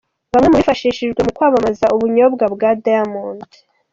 Bamwe mu bifashishijwe mu kwamamaza ubunyobwa bwa Diamond.